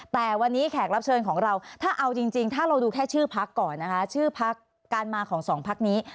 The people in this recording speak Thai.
แต่วันนี้แขกรับเชิญของเราถ้าเอาจริงถ้าเราดูแค่ชื่อพักก่อนนะคะชื่อพักการมาของสองพักนี้